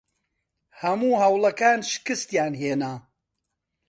هەموو هەوڵەکان شکستیان هێنا.